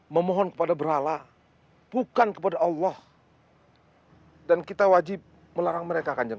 memohon kepada brala bukan kepada allah dan kita wajib melarang mereka kanjeng